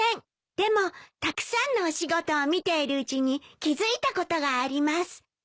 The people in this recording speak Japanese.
「でもたくさんのお仕事を見ているうちに気付いたことがあります」